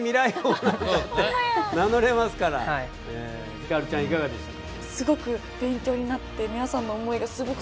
ひかるちゃんいかがでしたか？